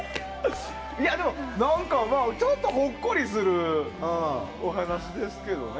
ちょっとほっこりするお話ですけどね。